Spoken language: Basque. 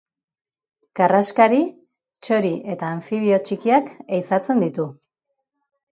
Karraskari, txori eta anfibio txikiak ehizatzen ditu.